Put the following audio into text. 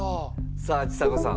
さあちさ子さん。